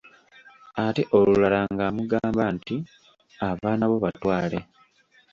Ate olulala ng'amugamba nti:"abaana bo batwale"